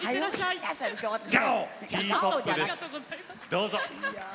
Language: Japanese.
どうぞ。